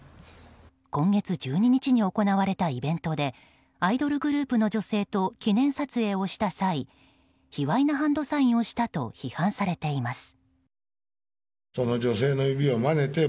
今月１２日に行われたイベントでアイドルグループの女性と記念撮影をした際卑猥なハンドサインをしたと批判されています。